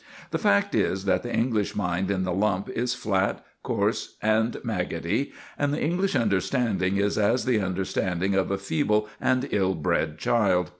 The fact is that the English mind in the lump is flat, coarse, and maggoty, and the English understanding is as the understanding of a feeble and ill bred child.